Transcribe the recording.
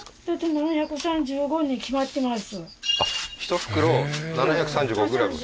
７３５に決まってます